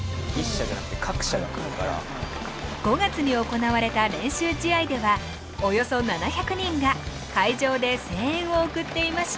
５月に行われた練習試合ではおよそ７００人が会場で声援を送っていました。